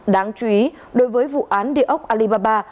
đáng chú ý đối với vụ án địa ốc alibaba